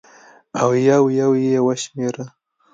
او یو یو یې وشمېره